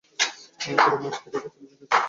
আমাকে রুমে আটকে রেখে ছেলেদেরকে চুদে বেড়াচ্ছে।